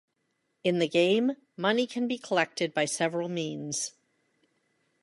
In the game, money can be collected by several means.